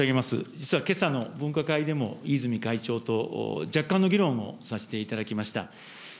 実はけさの分科会でも、飯泉会長と、若干の議論をさせていただきました。